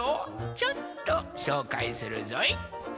ちょっとしょうかいするぞい。